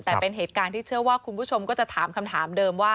แต่เป็นเหตุการณ์ที่เชื่อว่าคุณผู้ชมก็จะถามคำถามเดิมว่า